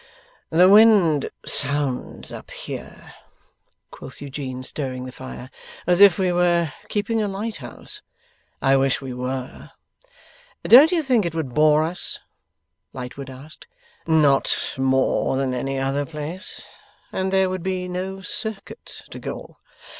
'The wind sounds up here,' quoth Eugene, stirring the fire, 'as if we were keeping a lighthouse. I wish we were.' 'Don't you think it would bore us?' Lightwood asked. 'Not more than any other place. And there would be no Circuit to go.